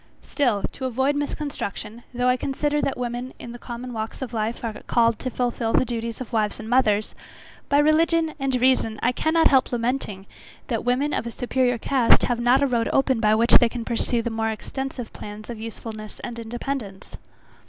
Still to avoid misconstruction, though I consider that women in the common walks of life are called to fulfil the duties of wives and mothers, by religion and reason, I cannot help lamenting that women of a superiour cast have not a road open by which they can pursue more extensive plans of usefulness and independence.